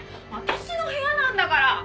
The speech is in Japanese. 私の部屋なんだから。